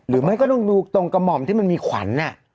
หรือไม่ก็ต้องดูตรงกระหม่อมที่มันมีขวัญ